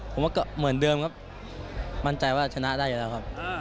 ผมว่าก็เหมือนเดิมครับมั่นใจว่าชนะได้อยู่แล้วครับ